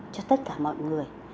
cho tất cả mọi người